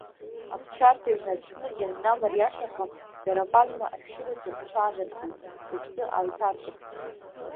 Аԥсшьарҭа ҩны Аԥсны ианнамариашаха, дара апальма ашәшьыраҿы рҽааныркылт, рыԥсы ааиҭаркырц.